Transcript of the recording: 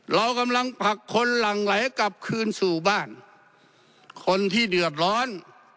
เรากำลังผลักคนหลั่งไหลกลับคืนสู่บ้านคนที่เดือดร้อน